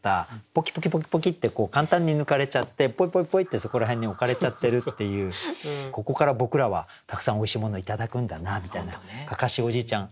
ぽきぽきぽきぽきって簡単に抜かれちゃってぽいぽいぽいってそこら辺に置かれちゃってるっていうここから僕らはたくさんおいしいものを頂くんだなみたいな「案山子おじいちゃん